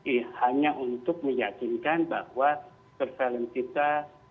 ya hanya untuk meyakinkan bahwa surveillance kita